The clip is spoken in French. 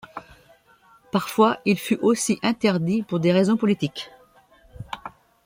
Parfois il fut aussi interdit pour des raisons politiques.